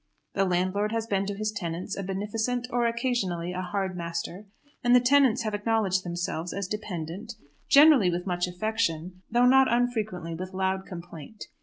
The landlord has been to his tenants a beneficent or, occasionally, a hard master, and the tenants have acknowledged themselves as dependent, generally with much affection, though not unfrequently with loud complaint.